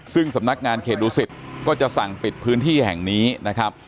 ซึ่งสำนักงานเขตดูสิตก็จะสั่งปิดพื้นที่แห่งนี้นะครับ